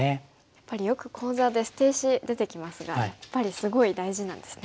やっぱりよく講座で捨て石出てきますがやっぱりすごい大事なんですね。